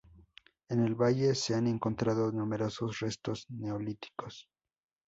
En el valle se han encontrado numerosos restos Neolíticos.